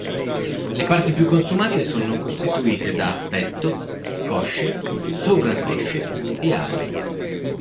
Le parti più consumate sono costituite da petto, cosce, sovracosce e ali.